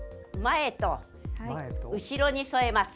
手を前と後ろに添えます。